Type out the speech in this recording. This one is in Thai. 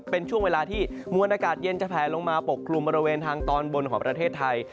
เป็นช่วงเวลาที่มวลอากาศเย็นจะแผลลงมาปกคลุมบริเวณทางตอนบนของประเทศไทย